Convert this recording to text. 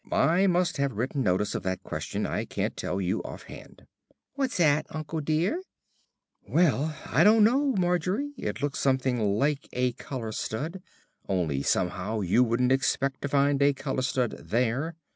"I must have written notice of that question. I can't tell you offhand." "What's 'at, uncle dear?" "Well, I don't know, Margie. It looks something like a collar stud, only somehow you wouldn't expect to find a collar stud there.